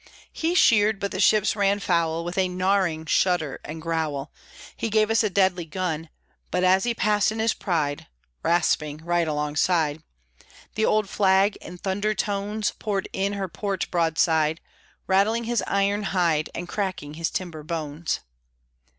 _" He sheered, but the ships ran foul With a gnarring shudder and growl; He gave us a deadly gun; But as he passed in his pride (Rasping right alongside!), The old Flag, in thunder tones Poured in her port broadside, Rattling his iron hide And cracking his timber bones!